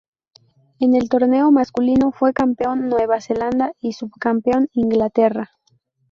En el torneo masculino fue campeón Nueva Zelanda y subcampeón Inglaterra.